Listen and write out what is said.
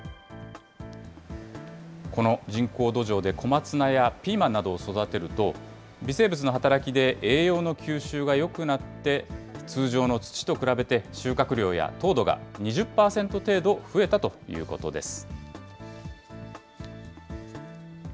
この人工土壌で小松菜やピーマンなどを育てると、微生物の働きで栄養の吸収がよくなって、通常の土と比べて、収穫量や糖度が２０％程度増えたということです。